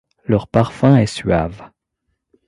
Leur parfum est suave.